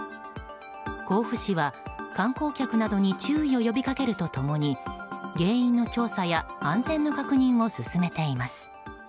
甲府市は、観光客などに注意を呼びかけると共に原因の調査や安全の確認を進めています。